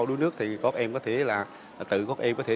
đuối nước thì các em có thể